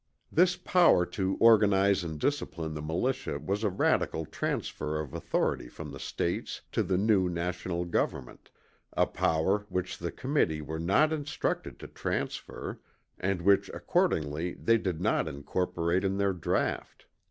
This power to organize and discipline the militia was a radical transfer of authority from the States to the new national government, a power which the committee were not instructed to transfer and which accordingly they did not incorporate in their draught.